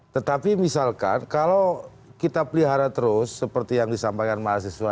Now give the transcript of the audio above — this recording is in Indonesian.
tetapi misalkan kalau kita pelihara terus seperti yang disampaikan mahasiswa